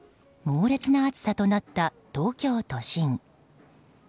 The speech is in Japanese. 猛烈な暑さとなった東京都心。